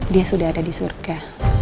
dia sudah ada di surga